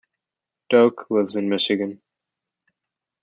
Doak lives in Michigan.